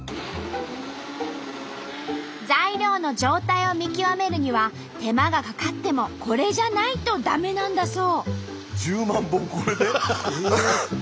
材料の状態を見極めるには手間がかかってもこれじゃないと駄目なんだそう。